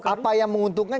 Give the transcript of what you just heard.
apa yang menguntungkan